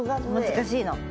難しいの。